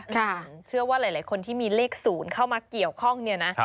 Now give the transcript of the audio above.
เชื่อว่าหลายคนที่มีเลข๐เข้ามาเกี่ยวข้องเนี่ยนะ